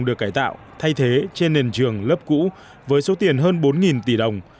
được cải tạo thay thế trên nền trường lớp cũ với số tiền hơn bốn tỷ đồng